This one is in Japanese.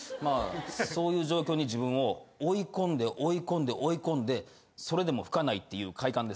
そういう状況に自分を追い込んで追い込んで追い込んでそれでも吹かないっていう快感です。